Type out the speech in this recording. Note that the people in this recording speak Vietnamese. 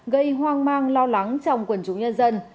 gây hoang mang lo lắng trong quần chúng nhân dân